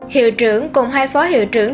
hiệu trưởng cùng hai phó hiệu trưởng